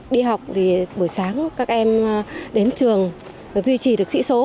đi học thì buổi sáng các em đến trường duy trì được sĩ số